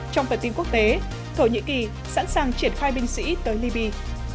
trong phần tin quốc tế thổ nhĩ kỳ sẵn sàng triển khai binh sĩ tới liby